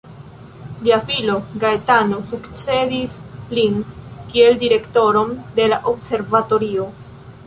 Lia filo, Gaetano, sukcedis lin kiel direktoron de la observatorio.